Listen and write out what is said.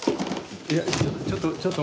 いやちょっとちょっと。